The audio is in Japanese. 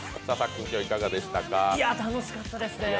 楽しかったですね。